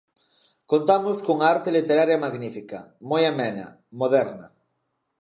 Contamos cunha arte literaria magnífica, moi amena, moderna.